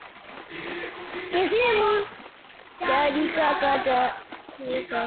Aleksandria na shule ya Antiokia ndizo chanzo cha mabishano